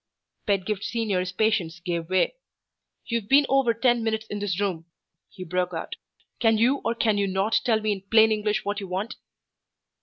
Pedgift Senior's patience gave way. "You have been over ten minutes in this room," he broke out. "Can you, or can you not, tell me in plain English what you want?"